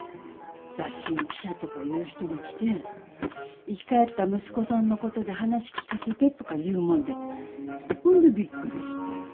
雑誌の記者とかいう人が来て「生き返った息子さんのことで話聞かせて」とか言うもんでほんでびっくりして。